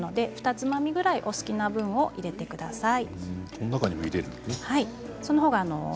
つまみくらい好きなように入れてください。